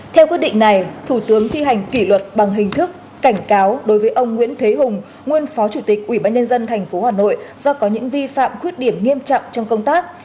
theo quyết định này thủ tướng thi hành kỷ luật bằng hình thức cảnh cáo đối với ông nguyễn thế hùng nguyên phó chủ tịch ủy ban nhân dân tp hà nội do có những vi phạm khuyết điểm nghiêm trọng trong công tác